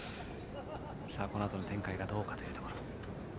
このあとの展開がどうかというところ。